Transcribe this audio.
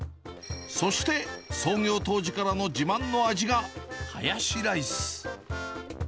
そして、創業当時からの自慢の味が、ハヤシライス。